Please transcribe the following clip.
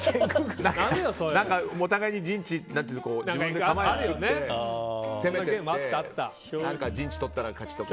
何かお互いに陣地自分で構えを作って攻めて、陣地とったら勝ちとか。